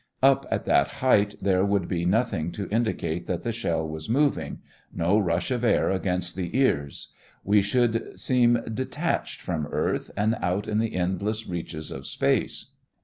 Up at that height, there would be nothing to indicate that the shell was moving no rush of air against the ears. We should seem detached from earth and out in the endless reaches of space.